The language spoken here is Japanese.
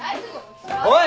おい！